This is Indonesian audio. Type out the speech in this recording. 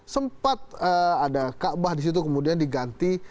sempat ada kaabah di situ kemudian diganti